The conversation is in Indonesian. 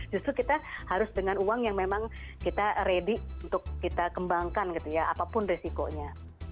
justru kita harus dengan uang yang memang kita ready untuk kita kembangkan gitu ya apapun resikonya